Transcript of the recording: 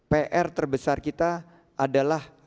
pr terbesar kita adalah